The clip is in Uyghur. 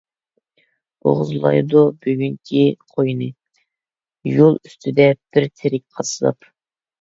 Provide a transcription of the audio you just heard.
بوغۇزلايدۇ بۈگۈنكى قوينى، يول ئۈستىدە بىر تىرىك قاسساپ.